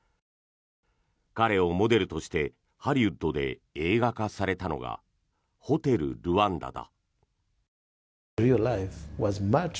彼をモデルとしてハリウッドで映画化されたのが「ホテル・ルワンダ」だ。